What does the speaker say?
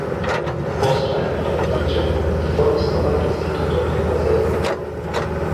Post la emeritiĝo li fondis novan instituton en Bazelo.